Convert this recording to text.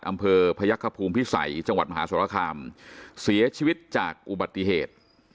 อำเภอพยักษภูมิพิสัยจังหวัดมหาสรคามเสียชีวิตจากอุบัติเหตุ